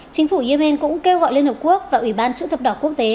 chính phủ yemen cũng kêu gọi liên hợp quốc và ủy ban chữ thập đỏ quốc tế